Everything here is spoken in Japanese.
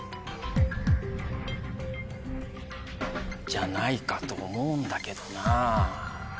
じゃないかと思うんだけどなぁ。